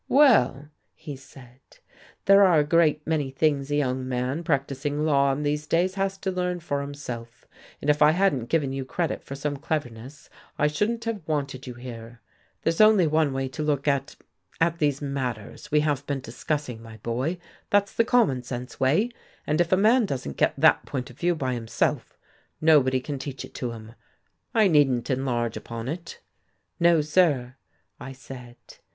"Well," he said, "there are a great many things a young man practising law in these days has to learn for himself. And if I hadn't given you credit for some cleverness, I shouldn't have wanted you here. There's only one way to look at at these matters we have been discussing, my boy, that's the common sense way, and if a man doesn't get that point of view by himself, nobody can teach it to him. I needn't enlarge upon it." "No, sir," I said.